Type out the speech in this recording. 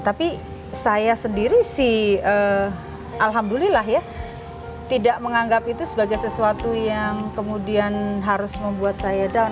tapi saya sendiri sih alhamdulillah ya tidak menganggap itu sebagai sesuatu yang kemudian harus membuat saya down